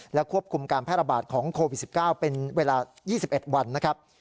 และควบคุมการแพร่ระบาดของโควิด๑๙เป็นเวลา๒๑วันนะครับ